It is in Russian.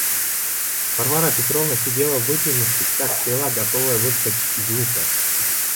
Варвара Петровна сидела выпрямившись, как стрела, готовая выскочить из лука.